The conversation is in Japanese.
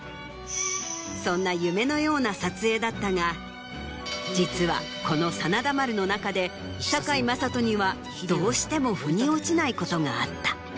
そんな夢のような撮影だったが実はこの『真田丸』の中で堺雅人にはどうしても腑に落ちないことがあった。